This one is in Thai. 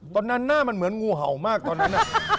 ตอนนั้นหน้ามันเหมือนงูเห่ามากตอนนั้นอ่ะ